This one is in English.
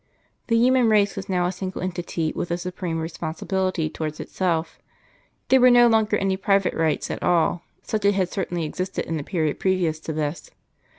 The human race was now a single entity with a supreme responsibility towards itself; there were no longer any private rights at all, such as had certainly existed, in the period previous to this.